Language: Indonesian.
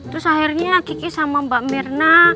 terus akhirnya kiki sama mbak mirna